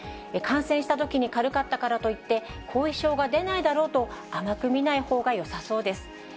感染したときに軽かったからといって、後遺症が出ないだろうと甘く見ないほうがよさそうです。